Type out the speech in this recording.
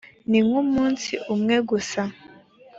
ni nk umunsi umwe gusa